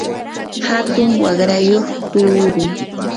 atun waqrayuq tuuru.